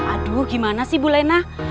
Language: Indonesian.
aduh gimana sih bu lena